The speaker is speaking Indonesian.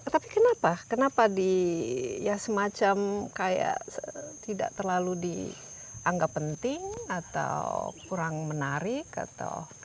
tapi kenapa kenapa di ya semacam kayak tidak terlalu dianggap penting atau kurang menarik atau